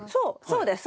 そうです